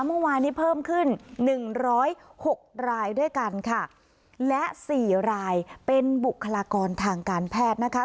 เมื่อวานนี้เพิ่มขึ้นหนึ่งร้อยหกรายด้วยกันค่ะและสี่รายเป็นบุคลากรทางการแพทย์นะคะ